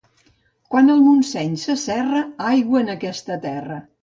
Quan el Montseny se serra, aigua en aquesta terra.